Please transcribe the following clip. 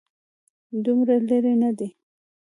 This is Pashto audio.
دومره لرې نه دی.